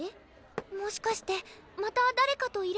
もしかしてまた誰かと入れ代わってるとか？